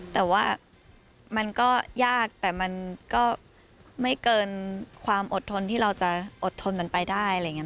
แต่ว่ามันก็ยากแต่มันก็ไม่เกินความอดทนที่เราจะอดทนกันไปได้